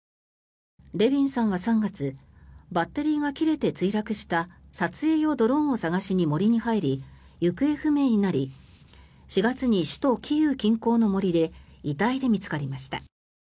レビンさんは３月バッテリーが切れて墜落した撮影用ドローンを探しに森に入り行方不明になり４月に首都キーウ近郊の森で遺体で見つかりました。